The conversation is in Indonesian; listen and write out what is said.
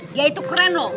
dia itu keren lho